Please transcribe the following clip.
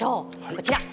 こちら。